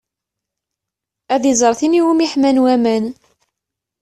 Ad iẓer tin iwumi ḥman waman.